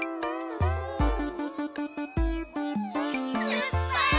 すっぱい！